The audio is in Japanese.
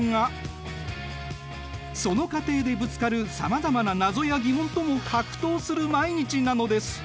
その過程でぶつかるさまざまな謎や疑問とも格闘する毎日なのです。